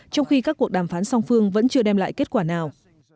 trong khi các cuộc đàm phán song phương vẫn chưa đem lại kết quả nào